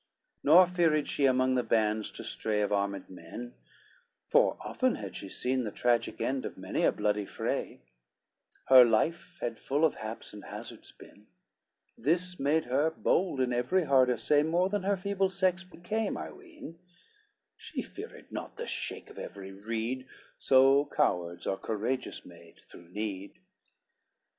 LXIX Nor feared she among the bands to stray Of armed men, for often had she seen The tragic end of many a bloody fray; Her life had full of haps and hazards been, This made her bold in every hard assay, More than her feeble sex became, I ween; She feared not the shake of every reed, So cowards are courageous made through need.